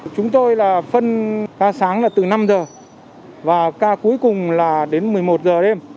chúng tôi là phân ca sáng là từ năm giờ và ca cuối cùng là đến một mươi một giờ đêm